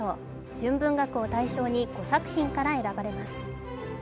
純文学を対象に５作品から選ばれます。